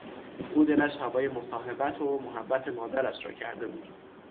او دلش هوای مصاحبت و محبت مادرش را کرده بود.